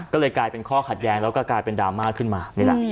ก็เลยกลายเป็นข้อขัดแย้งแล้วก็กลายเป็นดราม่าขึ้นมานี่แหละ